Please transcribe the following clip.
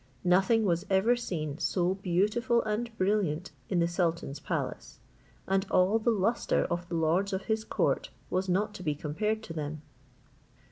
Nothing was ever seen so beautiful and brilliant in the sultan's palace; and all the lustre of the lords of his court was not to be compared to them.